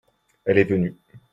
elle est venue.